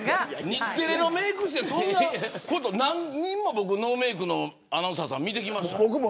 日テレのメーク室で僕、何人もノーメークのアナウンサーさん見てきましたよ。